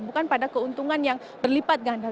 bukan pada keuntungan yang berlipat ganda